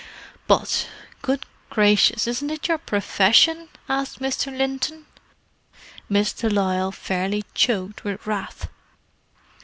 "But, good gracious, isn't it your profession?" asked Mr. Linton. Miss de Lisle fairly choked with wrath.